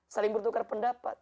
saling bertukar pendapat